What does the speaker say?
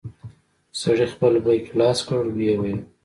سړي خپل بېګ خلاص کړ ويې ويل.